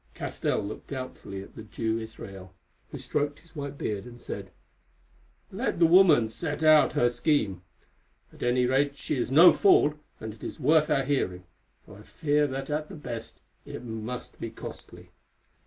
Castell looked doubtfully at the Jew Israel, who stroked his white beard and said: "Let the woman set out her scheme. At any rate she is no fool, and it is worth our hearing, though I fear that at the best it must be costly."